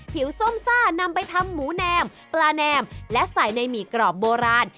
ผิวส้มซ่านำไปทำหมูแนมปลาแนมและใส่ในหมี่กรอบโบราณ